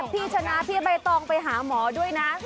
พี่ชนะพี่ใบตองไปหาหมอด้วยนะ